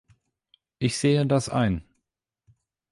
Ich sehe das ein.